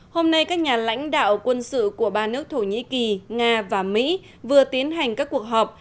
hôm nay các nhà lãnh đạo quân sự của ba nước thổ nhĩ kỳ nga và mỹ vừa tiến hành các cuộc họp